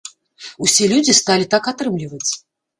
Усе людзі сталі так атрымліваць.